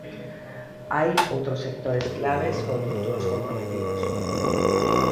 Hai outros sectores claves con futuros comprometidos.